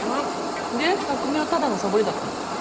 で匠はただのサボりだったの？